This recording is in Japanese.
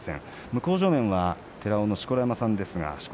向正面は寺尾の錣山さんです。